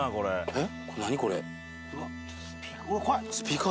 えっ？